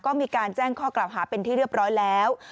ก็มีการแจ้งข้อกล่าวหาเป็นที่เรียบร้อยแล้ว